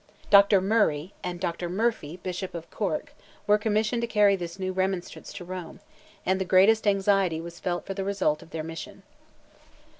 Dr. Murray, and Dr. Murphy, Bishop of Cork, were commissioned to carry this new remonstrance to Rome, and the greatest anxiety was felt for the result of their mission.